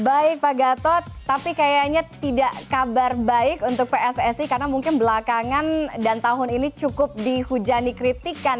baik pak gatot tapi kayaknya tidak kabar baik untuk pssi karena mungkin belakangan dan tahun ini cukup dihujani kritikan